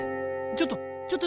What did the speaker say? ちょっとちょっと！